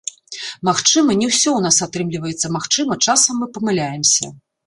Магчыма, не ўсё ў нас атрымліваецца, магчыма, часам мы памыляемся.